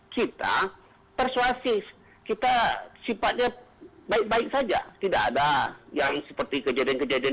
kita kan sudah janji sama yang bersangkutan